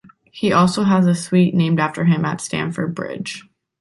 He also has a suite named after him at Stamford Bridge.